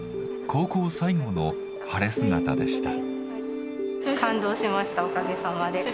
高校最後の晴れ姿でした。